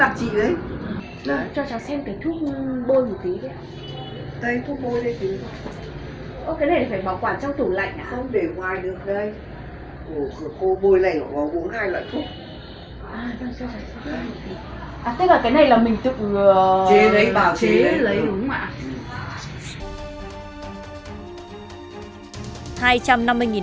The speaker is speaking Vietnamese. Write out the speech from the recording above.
à thế là cái này là mình tự chế lấy hướng ạ